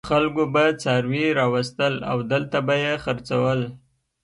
خلکو به څاروي راوستل او دلته به یې خرڅول.